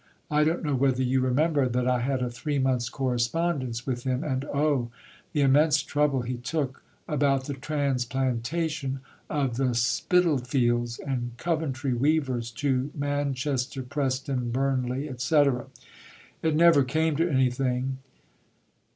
I don't know whether you remember that I had a three months' correspondence with him (and oh! the immense trouble he took) about the transplantation of the Spitalfields and Coventry weavers to Manchester, Preston, Burnley, etc. ... It never came to anything....